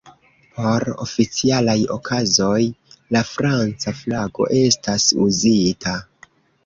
Por oficialaj okazoj, la franca flago estas uzita.